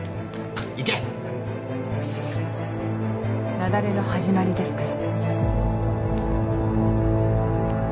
雪崩の始まりですから。